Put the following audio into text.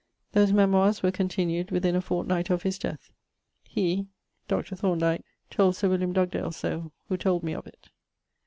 Those memoires were continued within a fortnight of his death. [XXXVII.] He (Dr. Th.) told Sir Wiliam Dugdale so, who told me of it.